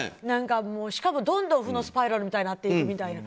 しかもどんどん負のスパイラルになっていくみたいな。